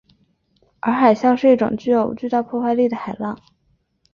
而海啸是一种具有强大破坏力的海浪。